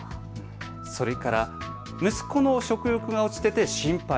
それから息子の食欲が落ちていて心配。